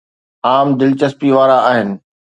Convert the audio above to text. عام دلچسپي وارا آهن